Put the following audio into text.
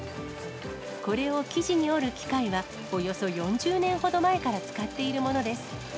これを生地に織る機械は、およそ４０年ほど前から使っているものです。